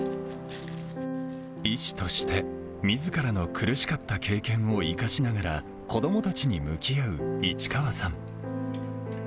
医師として、みずからの苦しかった経験を生かしながら、子どもたちに向き合う市川さん。